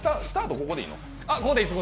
ここでいいです。